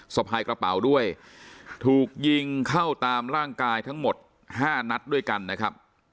สะพายกระเป๋าด้วยถูกยิงเข้าตามร่างกายทั้งหมดห้านัดด้วยกันนะครับ